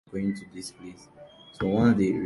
The Museum houses temporary expositions.